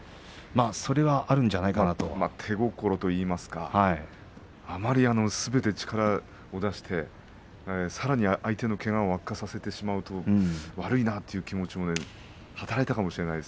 手心といいますかすべて力を出してさらに相手のけがを悪化させてしまうと悪いなという気持ちが働いたかもしれません。